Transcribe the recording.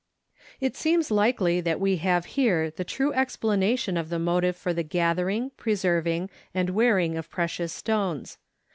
It seems likely that we have here the true explanation of the motive for the gathering, preserving, and wearing of precious stones.